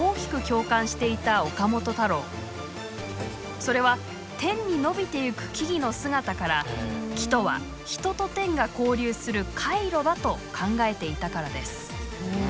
それは天に伸びてゆく木々の姿から「樹とは人と天が交流する回路だ」と考えていたからです。